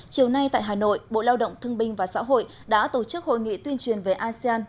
chiều nay tại hà nội bộ lao động thương binh và xã hội đã tổ chức hội nghị tuyên truyền về asean